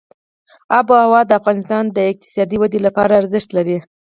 آب وهوا د افغانستان د اقتصادي ودې لپاره ارزښت لري.